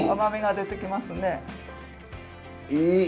いい！